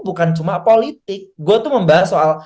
bukan cuma politik gue tuh membahas soal